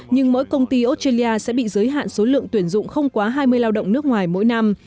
nhưng mỗi công ty australia sẽ bị giới hạn số lượng tuyển dụng không quá hai mươi lao động nước ngoài mỗi năm